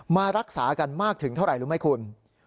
มารักษากันมากถึงเท่าไหร่รู้ไหมคุณ